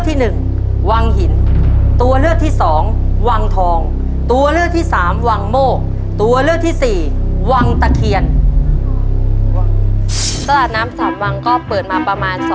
ตลาดน้ำสามวังก็เปิดมาประมาณ